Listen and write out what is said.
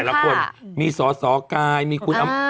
อยู่แต่ละคนมีสสกายมีคุณ